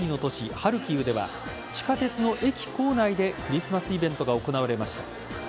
ハルキウでは地下鉄の駅構内でクリスマスイベントが行われました。